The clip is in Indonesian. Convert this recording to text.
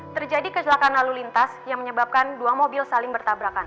terjadi kecelakaan lalu lintas yang menyebabkan dua mobil saling bertabrakan